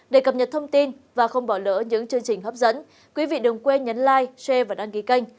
để cập nhật thông tin và không bỏ lỡ những chương trình hấp dẫn quý vị đừng quên nhấn like share và đăng ký kênh